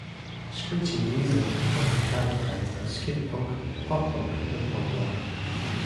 Screeching Weasel has been categorized as skate punk, pop punk and punk rock.